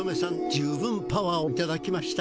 十分パワーをいただきました。